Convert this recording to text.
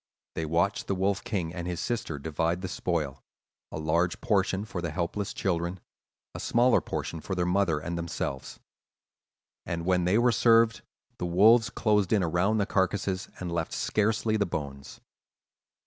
They watched the Wolf King and his sister divide the spoil; a large portion for the helpless children, a smaller portion for their mother and themselves. And when they were served, the wolves closed in around the carcasses and left scarcely the bones.